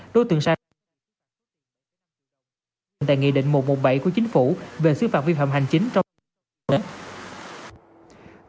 đối tượng sản xuất tại nghị định một trăm một mươi bảy của chính phủ về sư phạm vi phạm hành chính trong tỉnh bình thuận